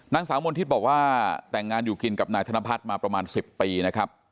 นางสาวมนทิพย์บอกว่าแต่งงานอยู่กินกับนายธนพัฒน์มาประมาณ๑๐ปีนะครับ